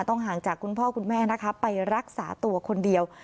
ห่างจากคุณพ่อคุณแม่นะคะไปรักษาตัวคนเดียว